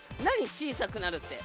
小さくなるって。